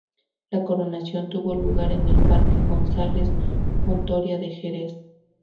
La coronación tuvo lugar en el Parque González Hontoria de Jerez.